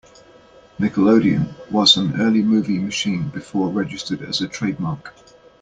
"Nickelodeon" was an early movie machine before registered as a trademark.